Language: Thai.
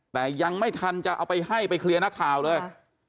แต่ยังไม่ทันจะเอาไปให้ไปเคลียร์นักข่าวเลย